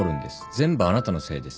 全部あなたのせいです。